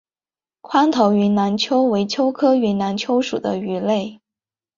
宽头云南鳅为鳅科云南鳅属的鱼类。